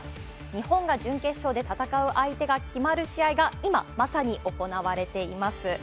日本が準決勝で戦う相手が決まる試合が、今、まさに行われています。